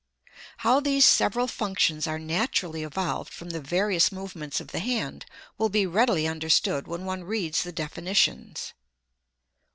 How these several functions are naturally evolved from the various movements of the hand will be readily understood when one reads the definitions: 1.